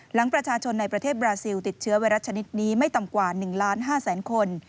หลังประชาชนในประเทศบราซิลติดเชื้อไวรัสชนิดนี้ไม่ต่ำกว่า๑ล้าน๕แสนคน